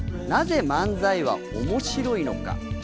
なぜ漫才は面白いのか。